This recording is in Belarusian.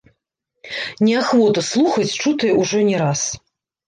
Не ахвота слухаць чутае ўжо не раз.